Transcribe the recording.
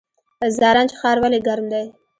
زرنج ښار ولې ګرم دی؟